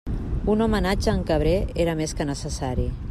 Un homenatge a en Cabré era més que necessari.